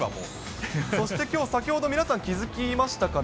そしてきょう、先ほど皆さん、気付きましたかね。